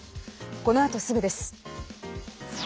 このあとすぐです。